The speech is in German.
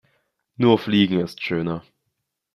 Nur Fliegen ist schöner.